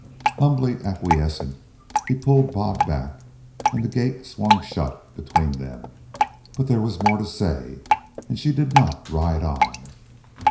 Humbly acquiescent, he pulled Bob back, and the gate swung shut between them. But there was more to say, and she did not ride on.